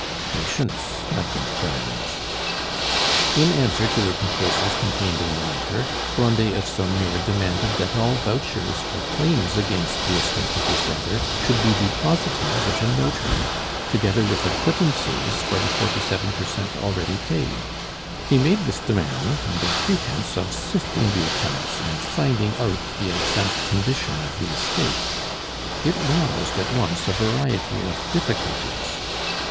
"Patience, my good friends!" In answer to the proposals contained in the letter, Grandet of Saumur demanded that all vouchers for claims against the estate of his brother should be deposited with a notary, together with acquittances for the forty seven per cent already paid; he made this demand under pretence of sifting the accounts and finding out the exact condition of the estate. It roused at once a variety of difficulties.